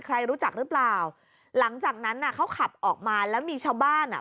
ใครรู้จักหรือเปล่าหลังจากนั้นน่ะเขาขับออกมาแล้วมีชาวบ้านอ่ะ